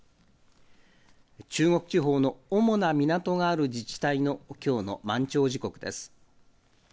中国地方の主な港がある自治体のきょうの満潮時刻です。